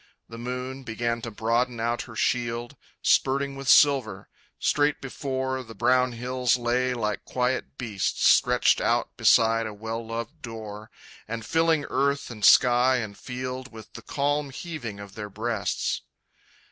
The moon Began to broaden out her shield, Spurting with silver. Straight before The brown hills lay like quiet beasts Stretched out beside a well loved door, And filling earth and sky and field With the calm heaving of their breasts.